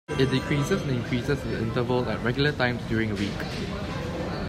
It decreases and increases its interval at regular times during a week.